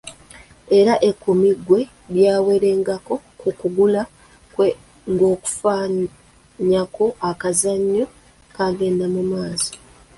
Era ekkumi gwe lyawererangako ku kugulu kwe ng’akufunyako ng’akazannyo kagenda mu maaso.